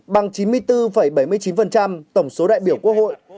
bằng chín mươi bốn bảy mươi chín tổng số đại biểu quốc hội